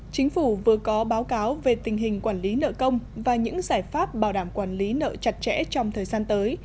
chính phủ vừa có báo cáo về tình hình quản lý nợ công và những giải pháp bảo đảm quản lý nợ chặt chẽ trong thời gian tới